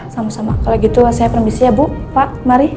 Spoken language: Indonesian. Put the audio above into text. sama sama kalau gitu saya permisi ya bu pak mari